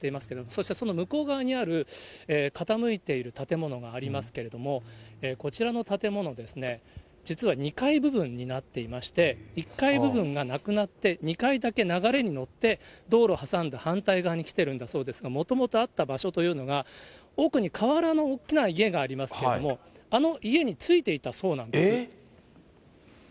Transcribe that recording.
そしてその向こう側にある傾いている建物がありますけれども、こちらの建物ですね、実は２階部分になっていまして、１階部分がなくなって、２階だけ流れに乗って、道路を挟んだ反対側にきてるんだそうですが、もともとあった場所というのが、奥に瓦の大きな家がありますけれども、あの家についていたそうなんです。